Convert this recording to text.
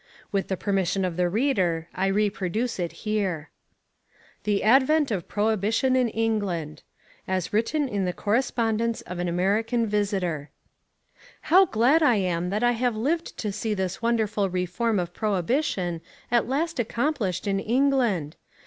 With the permission of the reader I reproduce it here: THE ADVENT OF PROHIBITION IN ENGLAND As written in the correspondence of an American visitor How glad I am that I have lived to see this wonderful reform of prohibition at last accomplished in England.